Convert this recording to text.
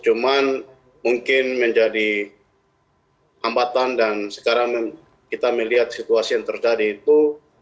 cuman mungkin menjadi hambatan dan sekarang kita melihat situasi yang terjadi itu